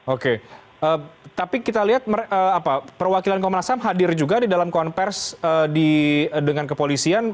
oke tapi kita lihat perwakilan komnas ham hadir juga di dalam konversi dengan kepolisian